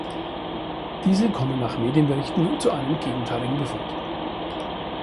Diese kommen nach Medienberichten zu einem gegenteiligen Befund.